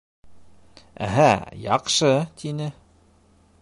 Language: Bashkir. — Әһә, яҡшы, — тине.